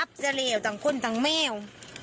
รับจะเหลวทั้งคนทั้งแม่ว